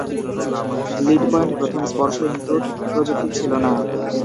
GlidePoint প্রথম স্পর্শ input প্রযুক্তি ছিল না।